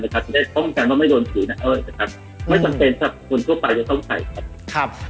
และเทรงจะเติมที่กลัวไม่ถูกถูกถือในวันเที่ยว